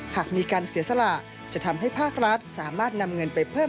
หากมีการเสียสละจะทำให้ภาครัฐสามารถนำเงินไปเพิ่ม